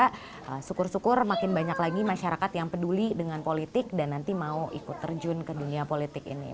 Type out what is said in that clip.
kita syukur syukur makin banyak lagi masyarakat yang peduli dengan politik dan nanti mau ikut terjun ke dunia politik ini